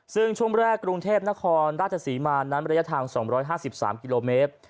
ซึ่งช่วงแรกกรุงเทพนครราชศรีมานั้นระยะทาง๒๕๓กิโลเมตร